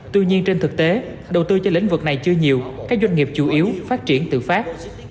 tuy nhiên trên thực tế đầu tư cho lĩnh vực này chưa nhiều các doanh nghiệp chủ yếu phát triển tự phát